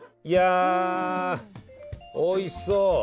いやおいしそう。